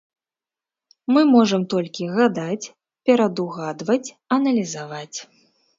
Мы можам толькі гадаць, перадугадваць, аналізаваць.